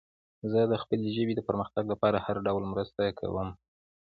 زه د خپلې ژبې د پرمختګ لپاره هر ډول مرسته کوم.